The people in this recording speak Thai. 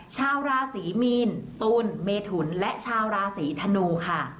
ชาวราศีมีนตูนเมถุนและชาวราศีธนูค่ะ